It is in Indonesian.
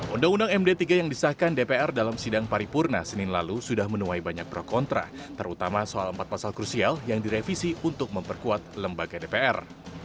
undang undang md tiga yang disahkan dpr dalam sidang paripurna senin lalu sudah menuai banyak pro kontra terutama soal empat pasal krusial yang direvisi untuk memperkuat lembaga dpr